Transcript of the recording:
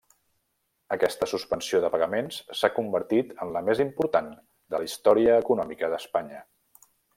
Aquesta suspensió de pagaments s'ha convertit en la més important de la història econòmica d'Espanya.